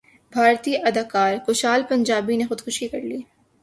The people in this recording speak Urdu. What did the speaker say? بھارتی اداکار کشال پنجابی نے خودکشی کرلی